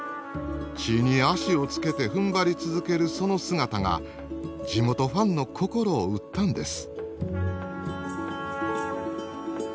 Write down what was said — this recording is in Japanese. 地に足をつけてふんばり続けるその姿が地元ファンの心を打ったんです。